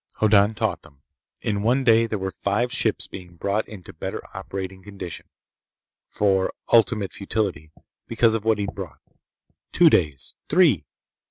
Hoddan taught them. In one day there were five ships being brought into better operating condition—for ultimate futility—because of what he'd brought. Two days. Three.